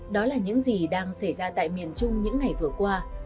đó là những gì đang xảy ra tại miền trung những ngày vừa qua